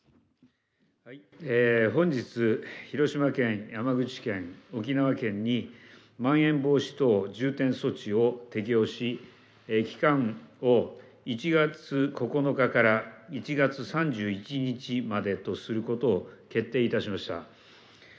本日、広島県、山口県、沖縄県に、まん延防止等重点措置を適用し、期間を１月９日から１月３１日までとすることを決定いたしました。